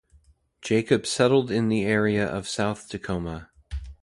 Jacob settled in the area of South Tacoma.